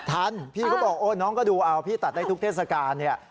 ทันพี่เขาบอกโอ๊ยน้องก็ดูเอาพี่ตัดให้ทุกเทศการนี่